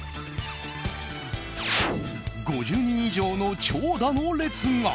５０人以上の長蛇の列が。